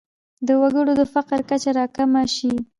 د وګړو د فقر کچه راکمه شي.